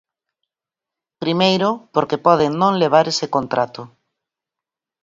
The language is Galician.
Primeiro, porque pode non levar ese contrato.